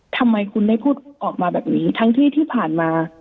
ทำไมคุณได้พูดออกมาแบบนี้ทั้งที่ที่ผ่านมา